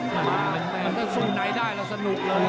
มันจะสู้ไหนได้เราสนุกเลย